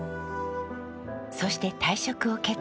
そして退職を決意。